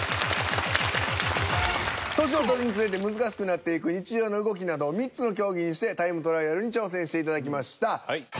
年を取るにつれて難しくなっていく日常の動きなどを３つの競技にしてタイムトライアルに挑戦していただきました。